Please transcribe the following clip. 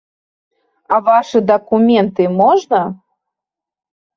А вашы дакументы можна?